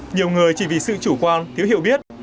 nhiều người chỉ vì sự chủ quan thiếu hiểu biết